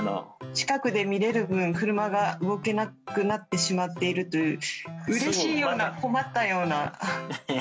近くで見れる分車が動けなくなってしまっているといううれしいような困ったような。